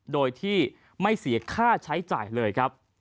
โดยที่ไม่เสียค่าใช้จ่ายเลยครับ